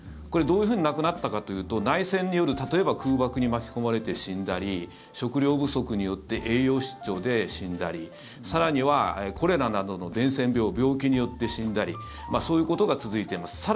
これ、どういうふうに亡くなったかというと内戦による、例えば空爆に巻き込まれて死んだり食料不足によって栄養失調で死んだり更にはコレラなどの伝染病病気によって死んだりそういうことが続いています。